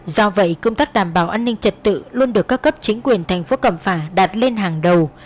do vậy công tác đảm bảo an ninh trật tự luôn được các cấp chính quyền thành phố cẩm phả đặt lên hàng đầu